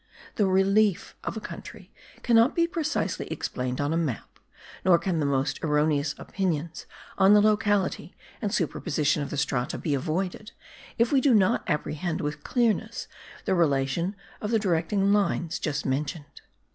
The RELIEF of a country cannot be precisely explained on a map, nor can the most erroneous opinions on the locality and superposition of the strata be avoided, if we do not apprehend with clearness the relation of the directing lines just mentioned.